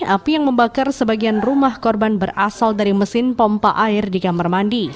api yang membakar sebagian rumah korban berasal dari mesin pompa air di kamar mandi